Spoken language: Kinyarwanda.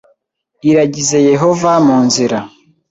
Iragize Yehova mu nzira